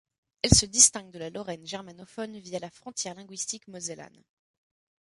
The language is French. Elle se distingue de la Lorraine germanophone via la frontière linguistique mosellane.